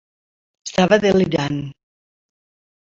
Estava delirant.